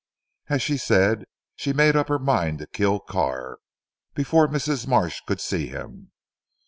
As she said, she made up her mind to kill Carr, before Mrs. Marsh could see him.